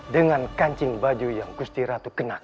dengan kancing baju yang gusti ratu kena